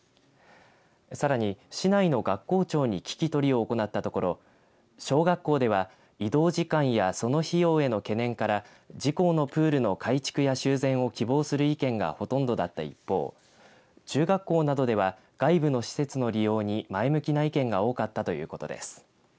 さらに市内の学校長に聞き取りを行ったところ小学校では移動時間やその費用への懸念から自校のプールの改築や修繕を希望する意見がほとんどだった一方中学校などでは外部の施設の利用に前向きな意見が多かったということです。